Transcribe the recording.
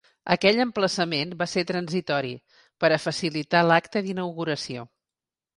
Aquell emplaçament va ser transitori, per a facilitar l’acte d’inauguració.